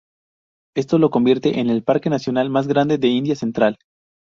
Esto lo convierte en el Parque Nacional más grande de India Central.